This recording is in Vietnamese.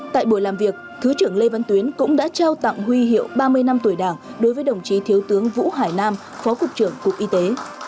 tại buổi làm việc thứ trưởng lê văn tuyến cũng đã trao tặng huy hiệu ba mươi năm tuổi đảng đối với đồng chí thiếu tướng vũ hải nam phó cục trưởng cục y tế